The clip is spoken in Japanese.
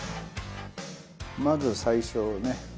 まず最初ね。